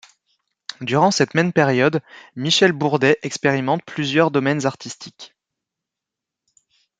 Durant cette même période, Michel Bourdais expérimente plusieurs domaines artistiques.